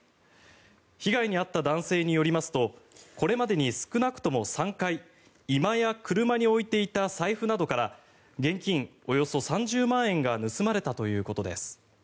被害にあった男性によりますとこれまでに少なくとも３回居間や車に置いていた財布などから現金およそ３０万円が盗まれたということです。